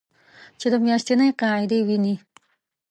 چې د میاشتنۍ قاعدې وینې